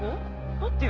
取ってよ